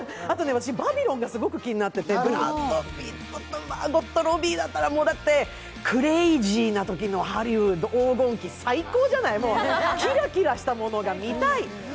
私「バビロン」がすごく気になっててブラッド・ピットとマーゴット・ロビーだったらもうだってクレイジーな時のハリウッド黄金期最高じゃないもうキラキラしたものが見たい！